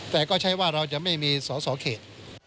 แต่ก็ใช้ว่าเราจะไม่มีสอสอเขต